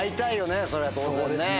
それは当然ね。